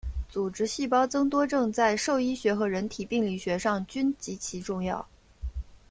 组织细胞增多症在兽医学和人体病理学上均极其重要。